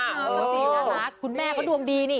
น้องมียาค่ะคุณแม่เขาดวงดีนี่